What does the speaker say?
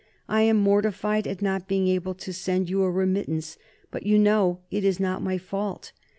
... I am mortified at not being able to send you a remittance, but you know it is not my fault.